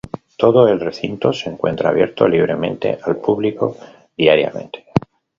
Todo el recinto se encuentra abierto libremente al público diariamente.